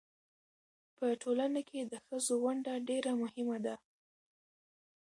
په ټولنه کې د ښځو ونډه ډېره مهمه ده.